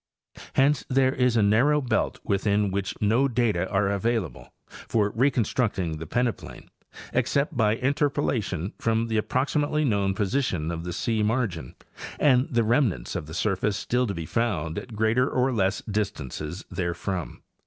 Hence there is a narrow belt within which no data are available for reconstructing the peneplain, except by in terpolation from the approximately known position of the sea margin and the remnants of the surface still to be found at ereater or less distances therefrom.